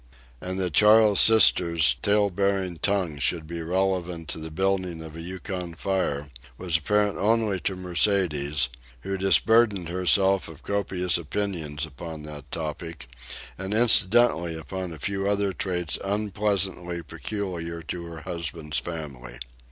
And that Charles's sister's tale bearing tongue should be relevant to the building of a Yukon fire, was apparent only to Mercedes, who disburdened herself of copious opinions upon that topic, and incidentally upon a few other traits unpleasantly peculiar to her husband's family.